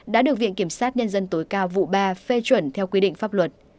đã được viện kiểm sát nhân dân tối cao vụ ba phê chuẩn theo quy định pháp luật